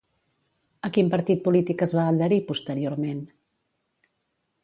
A quin partit polític es va adherir posteriorment?